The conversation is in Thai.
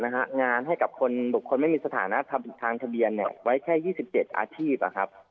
ทางกระทรวงแรงงานให้กับคนบุคคลไม่มีสถานะทางทะเบียนไว้แค่๒๗อาชีพครับ